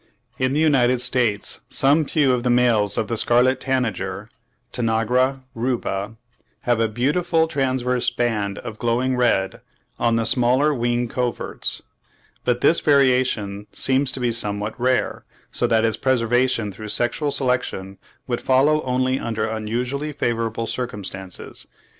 In the United States some few of the males of the scarlet tanager (Tanagra rubra) have "a beautiful transverse band of glowing red on the smaller wing coverts" (38. Audubon, 'Ornithological Biography,' 1838, vol. iv. p. 389.); but this variation seems to be somewhat rare, so that its preservation through sexual selection would follow only under usually favourable circumstances.